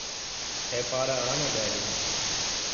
É para a Annabelle.